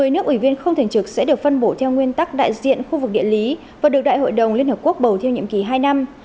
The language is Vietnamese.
một mươi nước ủy viên không thường trực sẽ được phân bổ theo nguyên tắc đại diện khu vực địa lý và được đại hội đồng liên hợp quốc bầu theo nhiệm kỳ hai năm